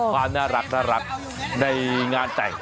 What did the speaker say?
ความน่ารักในงานแต่ง